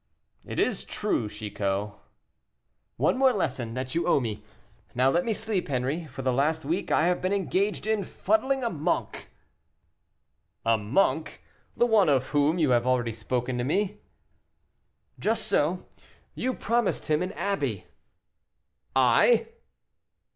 "It is true, Chicot." "One more lesson that you owe me. Now let me sleep, Henri; for the last week I have been engaged in fuddling a monk." "A monk! the one of whom you have already spoken to me?" "Just so. You promised him an abbey." "I?"